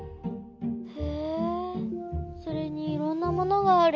へえそれにいろんなものがある。